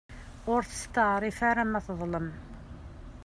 Ur testeεrif ara ma teḍlem.